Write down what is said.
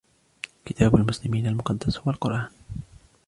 كتاب المسلمين المقدس هو القرآن.